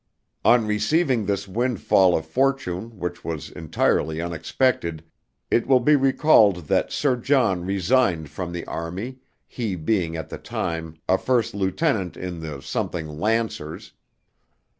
On receiving this windfall of fortune which was entirely unexpected, it will be recalled that Sir John resigned from the army, he being at the time a first lieutenant in the th Lancers.